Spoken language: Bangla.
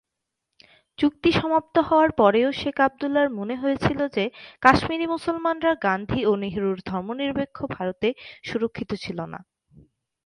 চুক্তি সমাপ্ত হওয়ার পরেও শেখ আবদুল্লাহর মনে হয়েছিল যে কাশ্মীরি মুসলমানরা "গান্ধী ও নেহেরুর ধর্মনিরপেক্ষ ভারতে সুরক্ষিত ছিল না"।